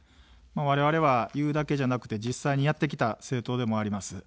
われわれは言うだけじゃなくて実際にやってきた政党でもあります。